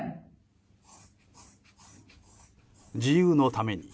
自由のために。